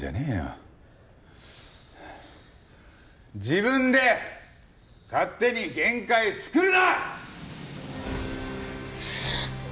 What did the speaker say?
自分で勝手に限界作るな！